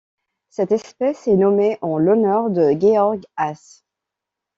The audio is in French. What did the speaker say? Cette espèce est nommée en l'honneur de Georg Haas.